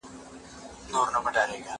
زه به سبا کتابونه وړم.